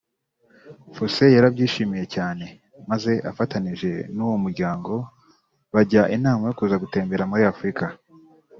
Fossey yarabyishimiye cyane maze afatanije n’uwo muryango bajya inama yo kuza gutemberera muri Africa